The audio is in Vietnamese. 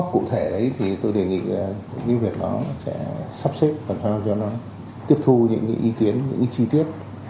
công an nhân dân sẽ sắp xếp và cho nó tiếp thu những ý kiến những chi tiết